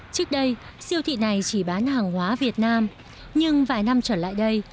trước đây siêu thị này chỉ bán hàng hóa việt nam nhưng vài năm trở lại đây